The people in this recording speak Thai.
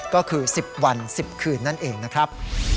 ก็คือ๑๐วัน๑๐คืนนั่นเองนะครับ